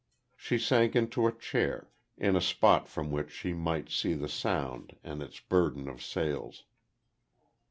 She sank into a chair, in a spot from which she might see the Sound and its burden of sails.